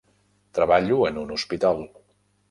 Treballo en un hospital.